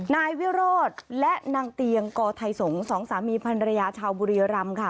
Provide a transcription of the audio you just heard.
นายวิโรธและนางเตียงกอไทยสงศ์สองสามีพันรยาชาวบุรีรำค่ะ